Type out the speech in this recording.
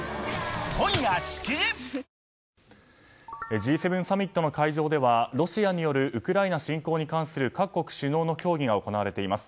Ｇ７サミットの会場ではロシアによるウクライナ侵攻に関する各国首脳の協議が行われています。